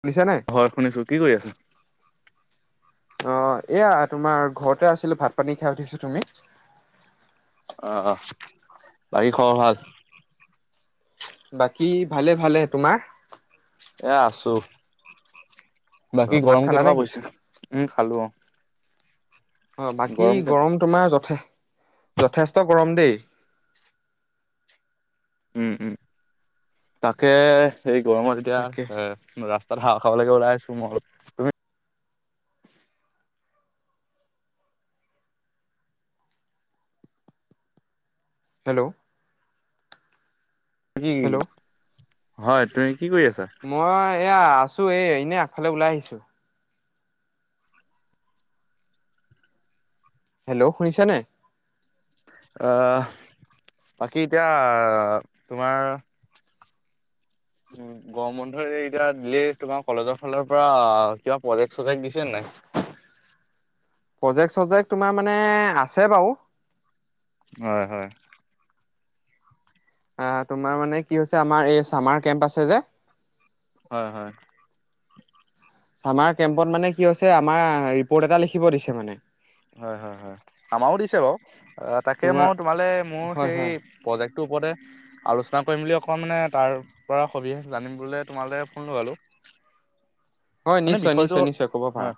শুনিছা নাই? হয় শুনিছো কি কৰি আছে? অ', এয়া তোমাৰ ঘৰতে আছিলো ভাত পানী খাই উঠিছো তুমি? অ', অ', বাকী খবৰ ভাল? বাকী ভালে ভালে তোমাৰ? এইয়া আছো। বাকী অ' ভাত গৰম খালা কেনেকুৱা নেকি? পৰিছো উম, খালো অ'। অঁ', বাকী গৰম তোমাৰ যথে যথেষ্ট গৰম দেই। উম, উম, তাকে এই গৰমত এতিয়া তাকে এ ৰাস্তাত হাহোৱা খাবলৈাকে ওলাই আহিছো মই তুমি হেল্ল'? হেল্ল' হয় তুমি কি কৰি আছা? মই এয়া আছো এই এনে আগফালে ওলাই আহিছো। হেল্ল' শুনিছা নে নাই? বাকী এতিয়া তোমাৰ উম। গৰম বন্ধ এতিয়া দিলে তোমাৰ কলেজৰ ফালৰ পৰা কিবা প্ৰজেক্ট চজেক্ট দিছে নে নাই? প্ৰজেক্ট চজেক্ট তোমাৰ মানে আছে বাৰু। হয় হয়। অ', তোমাৰ মানে কি হৈছে আমাৰ এই চামাৰ কেম্প আছে যে হয় হয়। চামাৰ কেম্পত মানে কি হৈছে আমাৰ ৰিপৰ্ট এটা লিখিব দিছে মানে। হয় হয় হয় আমাৰো দিছে বাৰু তাকে তোমাৰ মই তোমালে মোৰ হয় সেই হয় প্ৰজেক্টটোৰ ওপৰতে আলোচনা কৰিম বুলি অকণ মানে তাৰ পৰা সবিশেষ জানিম বোলে তোমালৈ ফোন লগালোঁ। হয় মানে নিশ্চয় বিষয়টো নিশ্চয় নিশ্চয় ক'ব পাৰা হয়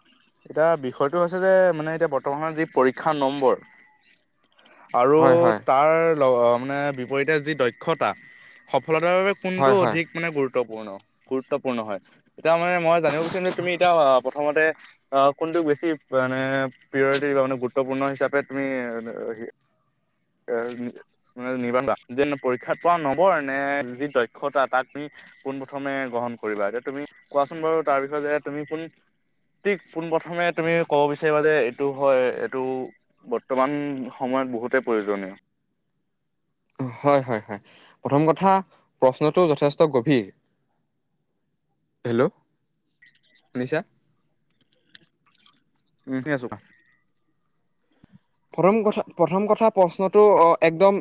এতিয়া বিষয়টো হৈছে যে মানে এতিয়া বৰ্তমানৰ যি পৰীক্ষা নম্বৰ আৰু হয় হয় তাৰ লগ মানে বিপৰীতে যি দক্ষতা সফলতাৰ বাবে কোনটো হয় হয় অধিক মানে গুৰুত্ব গুৰুত্বপূৰ্ণ গুৰুত্বপূৰ্ণ হয় এতিয়া মানে মই জানিব বিচাৰিম যে তুমি এতিয়া প্ৰথমতে অ', কোনটোক বেছি মানে প্ৰিয়ৰিটি বা মানে গুৰুত্বপূৰ্ণ হিচাপে তুমি এ নিৰ্বাহণ যে পৰীক্ষাত পৰা নম্বৰ নে যি দক্ষতা তাক তুমি পোন প্ৰ্থমে গ্ৰহণ কৰিবা এতিয়া তুমি কোৱাচোন বাৰু তাৰ বিষয়ে যে তুমি কোন ঠিক পোনপ্ৰথমে তুমি ক'ব বিচাৰিবা যে এইটো হয় এইটো বৰ্তমান সময়ত বহুতেই প্ৰয়োজনীয়। হয় হয় হয় প্ৰথম কথা প্ৰশ্নটো যথেষ্ট গভীৰ। হেল্ল' শুনিছা? ঠি আছঁ কা প্ৰথম কথা প্ৰথম কথা প্ৰশ্নটো একদম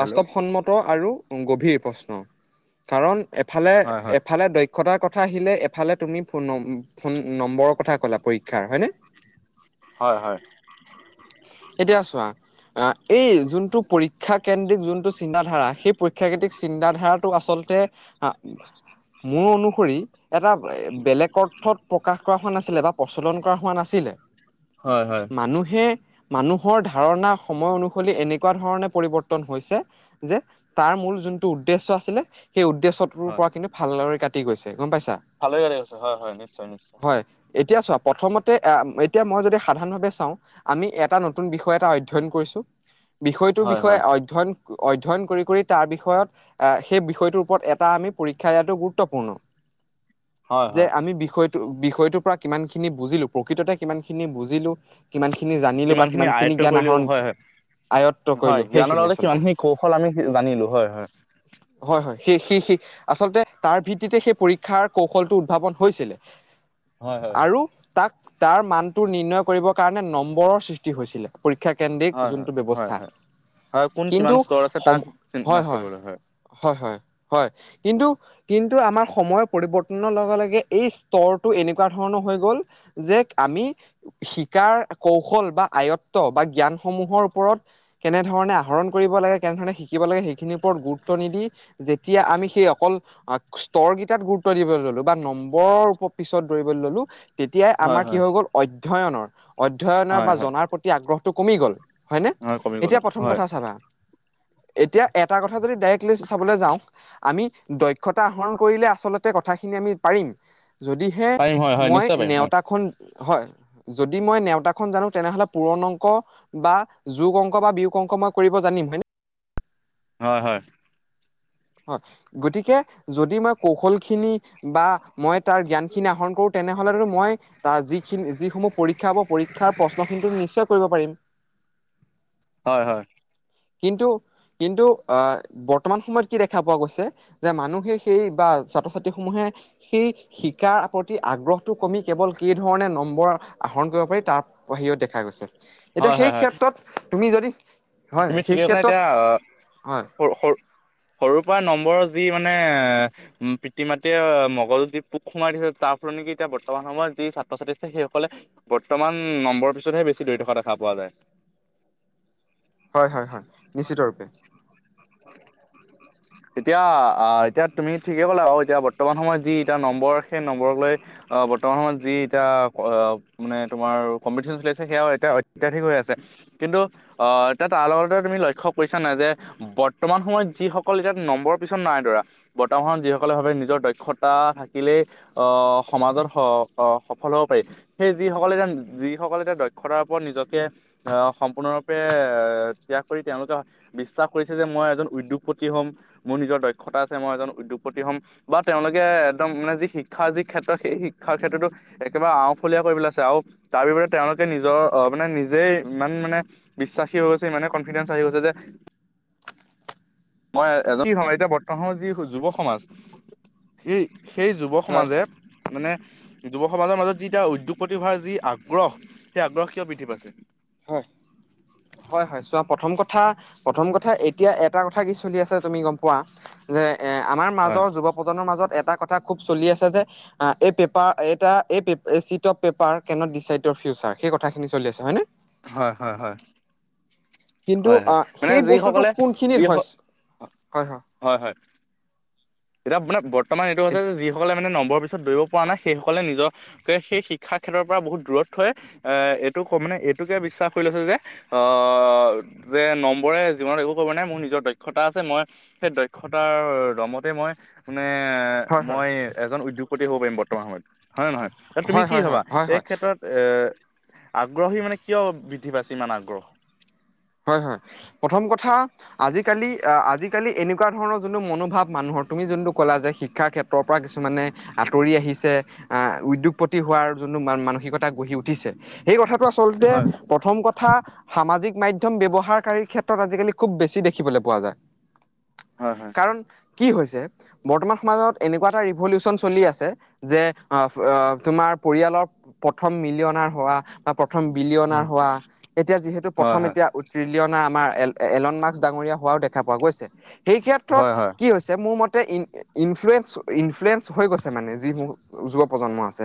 হেল্ল' আৰু গভীৰ প্ৰশ্ন কাৰণ এফালে হয় এফালে দক্ষতাৰ কথা আহিলে এফালে তুমি ফোন নম ফোন নম্বৰৰ কথা ক'লা পৰীক্ষাৰ হয়নে হয় হয় এতিয়া চোৱা এই যোনটো পৰীক্ষা কেন্দ্ৰিক যোনটো চিন্তাাধাৰা সেই পৰীক্ষাকেন্দ্ৰিক চিন্তাধাৰাত আচলতে মোৰ অনুসৰি এটা বেলেগ অৰ্থত প্ৰকাশ কৰা হোৱা নাছিলে বা প্ৰচলন কৰা হোৱা নাছিলে হয় হয় মানুহে মানুহৰ ধাৰণা সময় অনুসৰি এনেকুৱা ধৰণে পৰিৱৰ্তন হৈছে যে তাৰ মূল যোনটো উদ্দেশ্য আছিলে সেই উদ্দেশ্যত তোৰ পৰা কিন্তু ভালদৰে কাটি গৈছে গম পাইছা ভালে গাড়ী আছে হয় নিশ্চয় নিশ্চয় হয় এতিয়া চোৱা প্ৰথমতে এতিয়া মই যদি সাধাৰণভাৱে চাওঁ আমি এটা নতুন বিষয় এটা অধ্যয়ন কৰিছোঁ বিষয়টোৰ হয় বিষয়ে হয় অধ্যয়ন অধ্যয়ন কৰি কৰি তাৰ বিষয়ত আহ সেই বিষয়টোৰ ওপৰত এটা আমি পৰীক্ষা দিয়াটো গুৰুত্বপূৰ্ণ হয় যে হয় আমি বিষয়টো বিষয়টোৰ পৰা কিমান খিনি বুজিলো প্ৰকৃততে কিমান খিনি বুজিলো কিমান খিনি জানিলো বা ি কিমানখিনি আয়ত্ব জ্ঞান কৰিলেও আহৰণ হয় হয় আয়ত্ব হয় কৰিলো জ্ঞানৰ সেইখিনি লগতে আচলতে কিমানখিনি কৌশল আমি জানিলো হয় হয় হয় হয় সেই সি সি আচল্ততে তাৰ ভিত্তিতে সেই পৰীক্ষাৰ কৌশলটো উদ্ভাৱন হৈছিলে হয় হয় হয় আৰু তাক তাৰ মানটো নিৰ্ণয় কৰিবৰ কাৰণে নম্বৰৰৃষ্ট হৈছিলে পৰীক্ষা কেন্দ্ৰিক হয় যোনটো হয় হয় ব্যৱস্থা হয় হয় কোন কিন্তু কিমান স্তৰ আছে সম তাক চ হয় ন কৰে হয় হয় হয় হয় কিন্তু কিন্তু আমাৰ সময়ৰ পৰিৱৰ্তনৰ লগে লগে এই স্তৰটো এনেকুৱা ধৰণৰ হৈ গ'ল যে আমি শিকাৰ কৌশল বা আয়ত্ব বা জ্ঞানসমূহৰ ওপৰত কেনেধৰণে আহৰণ কৰিব লাগে কেনেধৰণে শিকিব লাগে সেইখিনিৰ ওপৰত গুৰুত্ব নিদি যেতিয়া আমি সেই অকল স্তৰকেইটাত গুৰুত্ব দিবলৈ ললো বা নম্বৰৰ পিছত দৌৰিবলৈ ললো তেতিয়াই হয় আমাৰ হয় কি হৈ গ'ল অধ্যয়নৰ অধ্যয়নৰ হয় বা হয় জনাৰ প্ৰতি আগ্ৰহটো কমি গ'ল হয়নে হয় কমি গ'ল এতিয়া হয় প্ৰথম হয় কথা চাবা এতিয়া এটা কথা যদি ডাইৰেক্টলি চাবলৈ যাওঁক আমি দক্ষতা আহৰণ কৰিলে আচলতে কথাখিনি আমি পাৰিম যদি পাৰিম হয় হয় মই নিশ্চয় পাৰিম হয়। নেওতা খ হয় যদি মই নেওতা খ জানো তেনেহ'লে পুৰণ অংক বা যোগ অংক বা বিয়োগ অংক মই কৰিব জানিম হয়নে হয় হয় হয় গতিকে যদি মই কৌশল খিনি বা মই তাৰ জ্ঞান খিনি আহৰণ কৰো তেনেহলেতো মই তাৰ যিখিনি যিসমূহ পৰীক্ষা হ'ব পৰীক্ষাৰ প্ৰশ্নখিনিটোম নিশ্চয় কৰিব পাৰিম হয় হয় কিন্তু কিন্তু আহ বৰ্তমান সময়ত কি দেখা পোৱা গৈছে যে মানুহে সেই বা ছাত্ৰ ছাত্ৰী সমূহে সেই শিকাৰ প্ৰতি আগ্ৰহটো কমি কেৱল কি ধৰণে নম্বৰ আহৰণ কৰিব পাৰি তাৰ বাহিৰত দেখা গৈছে হয় এতিয়া হয় সেই হয় ক্ষেত্ৰত তুমি যদি হয় তুমি সেই ঠিকেই না ক্ষেত্ৰত এতিয়া হয় সৰু সৰুৰ পৰা নম্বৰৰ যি মানে এ উ পিতৃ মাতৃয়ে মগলৰ যি পোক সোমাই দিছে তাৰ ফলত নেকি এতিয়া বৰ্তমান সময়ত যি ছাত্ৰ ছাত্ৰী আছে সেই সকলে বৰ্তমান নম্বৰৰ পিছতহে বেছি ধৰি থকা দেখা পোৱা যায় হয় হয় হয় নিশ্চিত ৰূপে [inaudible] এতিয়া এতিয়া তুমি ঠিকেই ক'লো বাৰু এতিয়া বৰ্তমান সময়ত যি এতিয়া নম্বৰ সেই নম্বৰক লৈ আহ বৰ্তমান সময়ত যি এতিয়া মানে তোমাৰ কম্পিটিশ্যন চলি আছে সেয়াও এতিয়া অত্যাধিক হৈ আছে কিন্তু অ এতিয়া তাৰ লগতে তুমি লক্ষ্য কৰিছা নে যে বৰ্তমান সময়ত যিসকল এতিয়া নম্বৰৰ পিছত নাই ধৰা বৰ্তমানত যিসকললে ভাৱে নিজৰ দক্ষতা থাকিলেই আহ সমাজৰ সফল হ'ব পাৰি সেই যিসকলেতি যিসকলে এতিয়া দক্ষতাৰ ওপৰত নিজকে আহ সম্পূৰ্ণৰূপে এ ত্যাগ কৰি তেওঁলোকে বিশ্বাস কৰিছে যে মই এজন উদ্যোগপতি হ'ম মোৰ নিজৰ দক্ষতা আছে মই এজন উদ্যোগপতি হ'ম। বা তেওঁলোকে একদম মানে যি শিক্ষাৰ যি ক্ষেত্ৰত সেই শিক্ষাৰ ক্ষেত্ৰতো একেবাৰে আওফলীয়া কৰিব পেলাই আছে আৰু। তাৰ বিপৰতে তেওঁলোকে নিজৰ আহ মানে নিজেই ইমান মানে বিশ্বাস সী হৈ গৈছে ইমানে কনফিডেন্ঞ্চ আহি গৈছে যে মই এজন সম এতিয়া বৰ্তমানৰ যি যুৱ সমাজ। সেই সেই যুৱ হয় সমাজে হয় মানে যুৱ সমাজৰ মাজত যিতিয়া উদ্যোগপতি হোৱাৰ যি আগ্ৰহ সেই আগ্ৰহ কিয় বৃদ্ধি পাইছে? হয় হয় হয় চোৱা প্ৰথম কথা প্ৰথম কথা এতিয়া এটা কথা কি চলি আছে তুমি গম পোৱা যে এ আমাৰ হয় মাজৰ যুৱ প্ৰজন্মৰ মাজত এটা কথা খুব চলি আছে যে এইে পেপাৰ এই পে- এই seat of paper can't decide your future সেই কথাখিনি চলি আছে হয়নে? হয়, হয়, হয়। কিন্তু হয়, হয় আহ মানে সেই বস্তুটো যিসকলে কোনখিনিত যি হয় হয়, হয়। এতিয়া মানে বৰ্তমান এইটো হৈছে যে যিসকলে মানে নম্বৰ পিছত দৌৰিব পৰা নাই সেইসকলে নিজৰ সেই শিক্ষা ক্ষেত্ৰৰ পৰা বহুত দূৰত থৈ আহ এইটো মানে এইটোকে বিশ্বাস কৰি লৈছে যে আহ যে নম্বৰে জীৱনত একো ক'ব নাই মোৰ নিজৰ দক্ষতা আছে মই সেই দক্ষতাৰ দম মই মানে হয় হয় মই এজন উদ্যোগপতি হ'ব পাৰিম বৰ্তমান সময়ত হয় নে নহয়? হয় তুমি হয় হয় কি হয় ভবা হয় হয় এই হয় ক্ষেত্ৰত এ আগ্ৰহী মানে কিয় বৃদ্ধি পাইছে ইমান আগ্ৰহ? হয়, হয় প্ৰথম কথা আজিকালি আজিকালি এনেকুৱা ধৰণৰ যোনটো মনোভাৱ মানুহৰ তুমি যোনটো ক'লা যে শিক্ষাৰ ক্ষেত্ৰৰ পৰা কিছু কিছুমানে আঁতৰি আহিছে আহ উদ্যোগপতি হোৱাৰ যোনটো ম মানসিকতা গঢ়ি উঠি। উঠিছে সেই কথাটো আচলতে হয় প্ৰথম কথা সামাজিক মাধম্য মম ব্যৱহাৰকাৰীৰ ক্ষেত্ৰত আজিকালি খুব বেছি দেখিবলৈ পোৱা যায়। হয় হয় কাৰণ কি হৈছে! বৰ্তমান সমাজত এনেকুৱা এটা ৰিভলিউচন চলি আছে যে তোমাৰ পৰিয়ালৰ প্ৰথম মিলিয়নাৰ হোৱা বা প্ৰথম বিলিয়নাৰ হোৱা এতিয়া যিহেতু হয় প্ৰথম হয় উত্ত্ৰিলিয়না আমাৰ এ এলনমাৰ্কস ডাঙৰীয়া হোৱাও দেখা পোৱা গৈছে। সেই হয় ক্ষেত্ৰত হয় হয় কি হৈছে মোৰ মতে ই ইনফ্লয়েন্ঞ্চ ইনফ্লয়েন্ঞ্চ হৈ গৈছে মানে যিসমহ যুৱ প্ৰজন্ম আছে।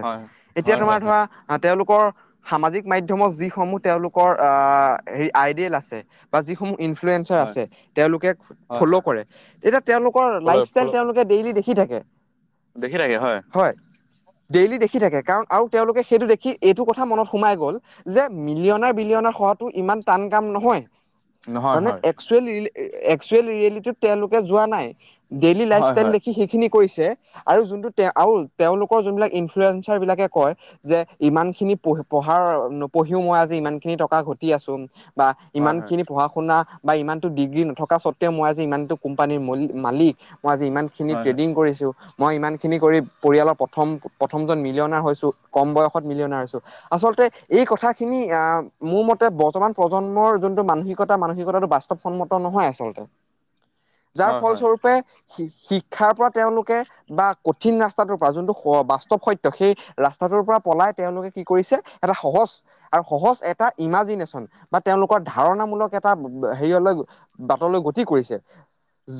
এতিয়া হয় হয় হয় হয় তোমাৰ ধৰা আহ তেওঁলোকৰ সামাজিক মাধ্যমৰ যিসমূহ তেওঁলোকৰ আহ হেৰি আইডিয়েল আছে বা যিসমূহ ইনফ্লুৱেঞ্চাৰ হয় আছে তেওঁলোকে হয় ফ'ল' হয় কৰে তেতিয়া তেওঁলোকৰ ফল ফল লাইফষ্টাইল তেওঁলোকে ডেইলি দেখি থাকে। দেখি থাকে হয়। হয়, ডেইলি দেখি থাকে কাৰণ আৰু তেওঁলোকে সেইটো দেখি এইটো কথা মনত সোমাই গ'ল। যে মিলিয়নৰ বিলিয়নৰ হোৱা ইমান টান কাম নহয় নহয় মানে হয় একচুৱেল ৰিয়েলিটি তেওঁলোকে যোৱা নাই ডেইলি লাইফ হয় ষ্টাইল হয় দেখি সেইখিনি কৰিছে। আৰু যোনটো আৰু তেওঁলোকৰ যোন বিলাক ইনফ্লুৱেঞ্চাৰ বিলাকে কয় যে ইমান খিনি পঢ়াৰ নপঢ়িও, মই আজি ইমান খিনি টকা ঘটি আছোঁ বা হয় ইমানখিনি পঢ়া শুনা বা ইমানটো ডিগ্ৰী নথকা স্বত্বেও, মই আজি ইমানটো কোম্পানীৰ মালিক, মই আজি ইমান খিনি হয় হয় ট্ৰেডিং কৰিছোঁ মই ইমানখিনি কৰি পৰিয়ালৰ প্ৰথম প্ৰথমজন মিলিঅনাৰ হৈছোঁ কম বয়সত মিলিঅনাৰ হৈছোঁ আচলতে এই কথাখিনি আ, মোৰ মতে বৰ্তমান প্ৰজন্মৰ যোনটো মানসিকতা মানসিকতাটো বাস্তৱ সন্মত নহয় আচলতে। হয় যাৰ হয় হয় ফলস্বৰূপে শিক্ষাৰ পৰা তেওঁলোকে বা কঠিন ৰাস্তাটোৰ পৰা যোনটো বাস্তৱ সত্য, সেই ৰাস্তাটোৰ পৰা পলাই তেওঁলোকে কি কৰিছে এটা সহজ আৰু সহজ এটা ইমাজিনেশ্যন বা তেওঁলোকৰ ধাৰণামূলক এটা হেৰিয়লৈ বাটলৈ গতি কৰিছে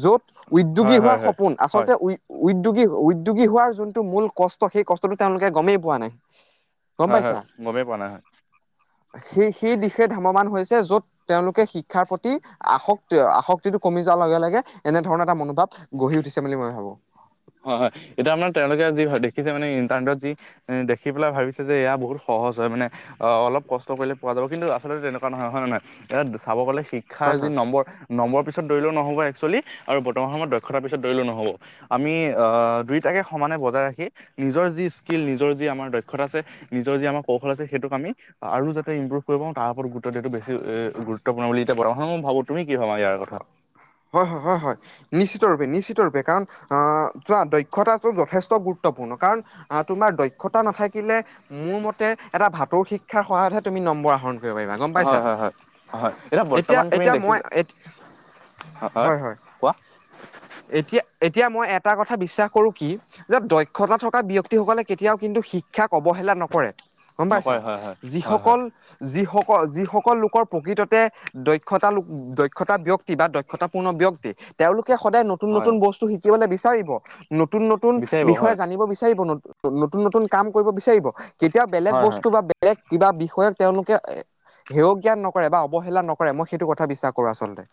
য'ত উদ্যোগী হয় হোৱাৰ হয় সপোন হয় আচলতে উ উদ্যোগী - উদ্যোগী হোৱাৰ যোনটো মূল কষ্ট, সেই কষ্টটো তেওঁলোকে গমেই পোৱা নাই। গম হয়, হয়, পাইছা গমেই পোৱা নাই হয়। সেই সেই দিশে ধাম মান হৈছে য'ত তেওঁলোকে শিক্ষাৰ প্ৰতি আসক্তি আসক্তিটো কমি যোৱাৰ লগে লগে এনেধৰণৰ এটা মনোভাৱ গঢ়ি উঠিছে বুলি মই ভাবো। হয়, হয়, এতিয়া আপোনাৰ তেওঁলোকে যি হয় দেখিছে মানে ইণ্টাৰনেটত যি দেখি পেলাই ভাবিছে যে এয়া বহুত সহজ হয় মানে অ, অলপ কষ্ট কৰিলে পোৱা যাব, কিন্তু আচলতে তেনেকুৱা নহয় হয় নহয়, চাব গ'লে শিক শিক্ষাৰ হয় যি হয় নম্বৰ নম্বৰ পিছত দৌৰিলেও নহব একচুৱেলি আৰু বৰ্তমান সময়ত দক্ষতাৰ পিছত দৌৰিলেও নহব আমি আ, দুয়োটাকে সমানে বজাই ৰাখি নিজৰ যি স্কিল নিজৰ যি আমাৰ দক্ষতা আছে নিজৰ যি আমাৰ কৌশল আছে সেইটোক আমি আৰু যাতে ইম্প্ৰভ কৰিব, তাৰ ওৰত গুৰুত্ব দাটো বেছি এ গুৰুত্বপূৰ্ণ বুলি এতিয়া [unintelligible] মই ভাবো, তুমি কি ভাবা ইয়াৰ কথা? হয়, হয়, হয়, হয়, নিশ্চিত ৰূপে নিশ্চিত ৰূপে কাৰণ আ, চোৱা দক্ষতাটো যথেষ্ট গুৰুত্বপূৰ্ণ কাৰণ আ, তোমাৰ দক্ষতা নাথাকিলে মোৰ মতে এটা ভাতৌ শিক্ষাৰ সহায়তহে তুমি নম্বৰ আহৰণ কৰিব পাৰিবা। গম হয় পাইছা, হয় হয় হয় এতিয়া বৰ্তমান তুমি এতিয়া মই দেখিছা এ হয়, হয়, এতিয়া এতিয়া মই এটা কথা বিশ্বাস কৰোঁ কি যে দক্ষতা থকা ব্যাক্তি সকলে কেতিয়াও কিন্তু শিক্ষাক অৱহেলা নকৰে। গম পাইছা নকৰে হয় হয় হয় হয় যিসকল যিসকল যিসকল লোকৰ প্ৰকৃততে দক্ষতা লোক দক্ষতা ব্যক্তি বা দক্ষা গুৰত্বপূৰ্ণ ব্যক্তি, তেওঁলোকে সদায় নতুন হয় নতুন বস্তু শিকিবলৈ বিচাৰিব। নতুন নতুন বিচাৰিব হয় বিষয়ে জানিব বিচাৰিব, ন' নতুন নতুন কাম কৰিব বিচাৰিব। কেতিয়া বেলেগ হয় হয় বস্তু বা বেলেগ কিবা বিষয়ক তেওঁলোকে এ হেৰক জ্ঞান নকৰে বা অৱহেলা নকৰে, মই সেইটো কথা বিশ্বাস কৰোঁ আচলতে।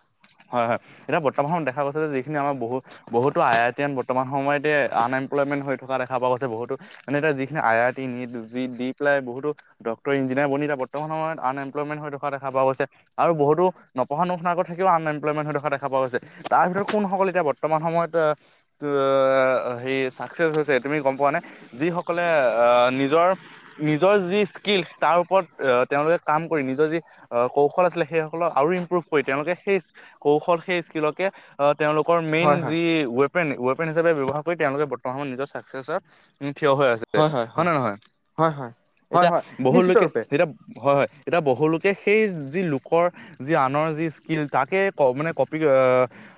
হয়, হয়, এতিয়া বৰ্তমানত দেখা গৈছে যে যিখিনি আমাৰ বহুত বহুতো আই আই টি এন বৰ্তমান সময়ত আন এমপ্লয়মেট হয় থকা দেখা পোৱা গৈছে বহুতো, এনে এতিয়া যিখিনি আই আই টি, নিট যি দি পেলাই বহুতো ডক্টৰ ইঞ্জিনিয়াৰ বনি যাব, বৰ্তমান সময়ত আনএমপ্লমণ্ট হৈ থখা দেখা পোৱা গৈছে, আৰু বহুতো নপঢ়া নুশুনা আগত থাকিও আন এমপ্লয়মেট হৈ থকা দেখা পোৱা গৈছে, তাৰ ভিতৰত কোনসকল এতিয়া বৰ্তমান সময়ত হেৰি ছাকচেছ হৈছে তুমি গম পোৱা নে, যিসকলে নিজৰ নিজৰ যি স্কিল তাৰ ওপৰত আ, তেওঁলোকে কাম কৰি নিজৰ যি আ, কৌশল আছিলে সেই সকলক আৰু ইম্প্ৰুভ কৰি তেওঁলোকে সেই কৌশল সেই স্কিলকে তেওঁলোকৰ মেইন হয় হয় যি ৱেব ৱেপেন ৱেপেন হিচাপ ব্যৱহাৰ কৰি তেওঁলোকে বৰ্তমানত সময়ত নিজৰ চাকচেছৰ থিয় হৈ আছে। হয় নহয় হয় হয় হয় এতিয়া হয় বহু নিশ্চিত লোকে ৰূপে এতিয়া হয়, হয় এতিয়া বহুলোকে সেই যি লোকৰ যি আনৰ যি কি তাকে মানে কপি অ'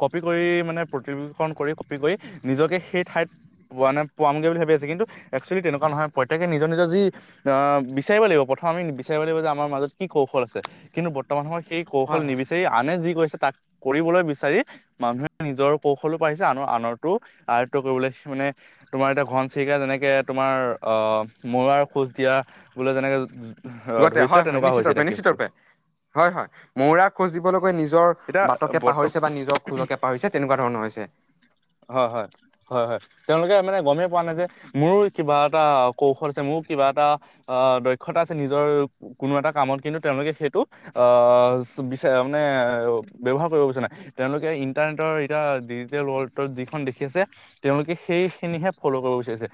কপি কৰি মানে প্ৰতিকৰণ কৰি কপি কৰি নিজকে সেই ঠাইত পোৱা নাই পোৱামগৈ বুলি ভাবি আছে কিন্তু একচসুৱেলি তেনেকুৱা নহয় প্ৰত্যেকে নিজৰ নিজৰ যি আহ বিচাৰিব লাগিব প্ৰথম আমি বিচাৰিব লাগিব যে আমাৰ মাজত কি কৌশল আছে কিন্তু বৰ্তমান সময়ত সেই কৌশল হয় হয় নিবিচাৰি আনে যি কৈছে তাক কৰিবলৈ বিচাৰি মানুহে নিজৰ কৌশলো পাৰিছে আনৰ আনৰতটো আয়ত্ব কৰিবলৈ মানে তোমাৰ এতিয়া ঘন চিৰিকাই যেনেকে তোমাৰ মৰাৰ খোজ দিয়া বোলে যেনেকে গতে ধৰিছিলে হয়, হয় তেনেকুৱা নিশ্চিত হৈছে ৰূপে, এতিয়া নিশ্চিত কেছটো। ৰূপে হয় হয় মৌৰা খোজ দিবলৈকৈ নিজৰ এতিয়া বাটকে বৰ্ত পাহৰিছে বা নিজৰ খোজকে পাহৰিছে তেনেকুৱা ধৰণৰ হৈছে হয়, হয়। হয়, হয় তেওঁলোকে মানে গমেই পোৱা নাই যে মোৰো কিবা এটা কৌশল আছে মোৰ কিবা এটা অ', দক্ষতা আছে নিজৰ কোনো এটা কামত কিন্তু তেওঁলোকে সেইটো বিচাৰে মানে ব্যৱহাৰ কৰিব বিচৰা নাই। তেওঁলোকে ইণ্টাৰনেটৰ এতিয়া ডিজিটেল ৱৰ্ল্ডত যিখন দেখি আছে তেওঁলোকে সেইখিনিহে ফল' কৰিব বিচাৰিছে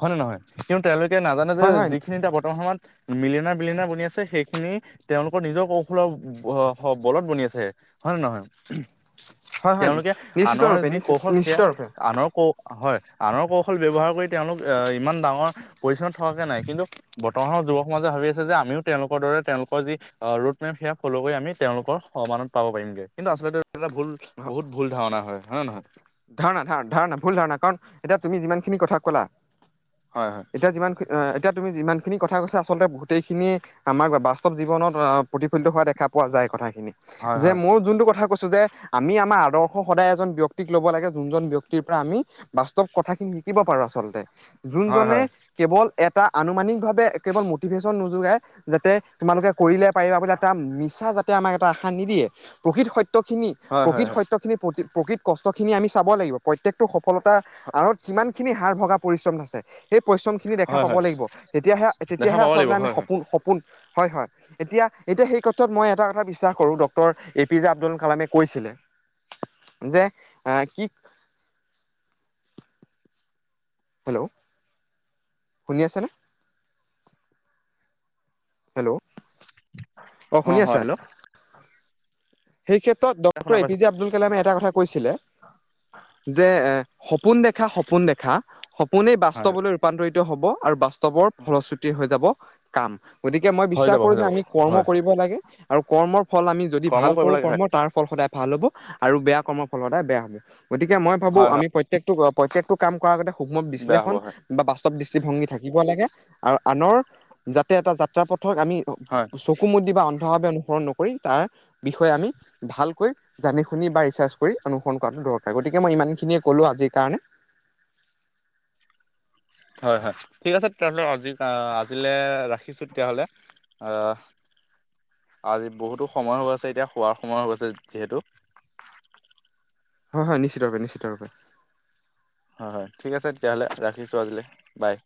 হয় নে নহয়। কিন্তু তেওঁলোকে নাজানে যে হয় হয় যিখিনি এটা বৰ্তমান সময়ত মিলিনাৰ বিলিনাৰ বনি আছে সেইখিনি তেওঁলোকৰ নিজৰ ক ফুলৰ বলত বনি আছে হয় নে নহয়। হয় হয় তেওঁলোকে নিশ্চিত আনৰ ৰূপে যি নিশ্চিত কৌশল সেয়া নিশ্চিত ৰূপে আনৰ কৌশ হয় আনৰ কৌশল ব্যৱহাৰ কৰি তেওঁলোক ইমান ডাঙৰ পজিচনত থকাকে নাই কিন্তু বৰ্তমানৰ যুৱক সমাজে ভাবি আছে যে আমিও তেওঁলোকৰ দৰে তেওঁলোকৰ যি ৰোট সেয়া ফল' কৰি আমি তেওঁলোকৰ সমানত পাব পাৰিমগে কিন্তু আচলতে এটা ভুল বহুত ভুল ধাৰণা হয় নে নহয়। ধাৰণা ধাৰণা ধাৰণা ভুল ধাৰণা কাৰণ এতিয়া তুমি যিমানখিনি কথা ক'লা হয়, হয়। এতিয়া যিমানখিনি এতিয়া তুমি যিমানখিনি কথা কৈা আচলতে গোটেইখিনিয়ে আমাৰ বাস্তৱ জীৱনত প্ৰতিফলিত হোৱা দেখা পোৱা যায় কথাখিনি হয় হয় যে মোৰ যোনটো কথা কৈছো যে আমি আমাৰ আদৰ্শ সদায় এজন ব্যক্তি ল'ব লাগে যোনজন ব্যয়ক্তিৰ পৰা আমি বাস্তৱ কথা খিনি শিকিব পাৰো আচলতে হয় যোনজনে হয় কেৱল এটা আনুমানিকভাৱে কেৱল মটিভেশ্বন নোযোগাই যাতে তোমালোকে কৰিলে পাৰিবা বোলে এটা মিছা যাতে আমাক এটা আশা নিদিয়ে প্ৰকৃত সত্যখিনি হয় হয় হয় প্ৰকৃত সত্যখিনি প্ৰকৃত কষ্টখিনি আমি চাব লাগিব প্ৰত্যেকটো সফলতা আঁৰত কিমান খিনি হাৰ ভগা পৰিশ্ৰম আছে সেই পৰিশ্ৰম খিনি দেখা হয় হয় হয় পাব হয় লাগিব তেতিয়াহে, দেখা তেতিয়াহে পাব লাগিব আচলতে আমি হয় হয় সপোন সপোন হয় হয় এতিয়া এতিয়া সেই ক্ষেত্ৰত মই এটা কথা বিশ্বাস কৰো doctor A P J Abdul কালামে কৈছিলে যে আহ কি হেল্লো'। শুনি আছানে। হেল্ল' শুনি অ', হয় আছা হেল্লো'। সেই ক্ষেত্ৰত ডক্টৰ শুনা এ প পাইছো জে আদুল কালামে এটা কথা কৈছিলে যে সপোন দেখা, সপোন দেখা সপোনে হয় বাস্তৱলৈ ৰূপান্তৰিত হ'ব আৰু বাস্তৱৰ ফলশ্ৰুতি হৈ যাব কাম গতিকে মই হৈ বিশ্বাস যাব হৈ কৰো যে যাব আমি কৰ্ম হয় কৰিব লাগে আৰু কৰ্মৰ ফল আমি যদি কৰ্ম ভাল কৰিব কৰো লাগে কৰ্ম হয় ফল সদায় ভাল হ'ব আৰু বেয়া কৰ্মৰ ফল সদায় বেয়া হ'ব গতিকে মই ভাবো হয় হয় আমি প্ৰত্যেকটো প্ৰত্যেকটো কাম কৰা আগতে সুক্ষ্ম বেয়া হ'ব বিশ্লেষণ হয় বা বাস্তৱ দৃষ্টিভংগী থাকিব লাগে আৰু আনৰ যাতে এটা যাত্ৰা পথক আমি হয় চকু মুদি বা অন্ধভাৱে অনুসৰণ নকৰি তাৰ বিষয়ে আমি ভালকৈ জানি শুনি বা ৰিচাৰ্চ কৰি অনুসৰণ কৰাটো দৰকাৰ, গতিকে মই ইমানখিনিয়ে ক'লো আজিৰ কাৰণে। হয় হয়, ঠিক আছে তেতিয়াহ'লে আজি আজিলৈ ৰাখিছো তেতিয়াহ'লে। আহ, আজি বহুতো সময় হৈ আছে এতিয়া শোৱাৰ সময় হৈ আছে যিহেতু। হয় হয় নিশ্চিতভাবে নিশ্চিতভাবে। হয় হয় ঠিক আছে তেতিয়াহ'লে ৰাখিছোঁ আজিলৈ, বাই।